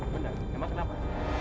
bener emang kenapa